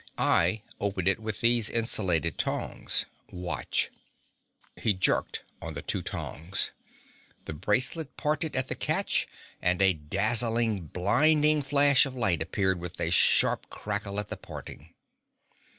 I open it with these insulated tongs. Watch." He jerked on the two tongs. The bracelet parted at the catch, and a dazzling, blinding flash of light appeared with a sharp crackle at the parting.